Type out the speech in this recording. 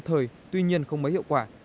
thời tuy nhiên không mới hiệu quả